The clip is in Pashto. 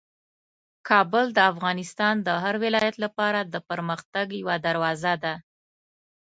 کابل د افغانستان د هر ولایت لپاره د پرمختګ یوه دروازه ده.